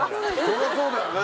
そりゃそうだよね。